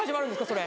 それ。